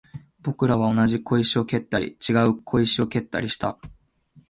僕らは同じ小石を蹴ったり、違う小石を蹴ったりした